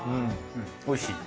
おいしい。